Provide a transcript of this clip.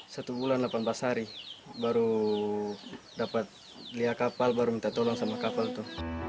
satu bulan delapan belas hari baru dapat lihat kapal baru minta tolong sama kapal itu